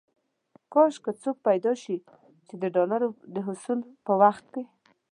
کاش کې څوک پيدا شي چې د ډالرو د حصول په وخت کې.